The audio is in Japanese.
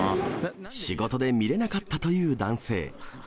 仕事で見れなかったという男性。